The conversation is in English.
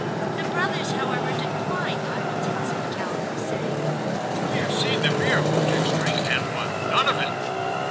The brothers, however, declined Ivan's hospitality, saying, "We have seen the beer moujiks drink, and want none of it."